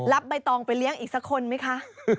ใบตองไปเลี้ยงอีกสักคนไหมคะ